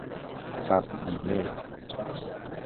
سبزینه